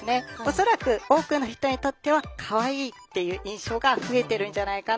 恐らく多くの人にとってはかわいいっていう印象が増えてるんじゃないかなって思います。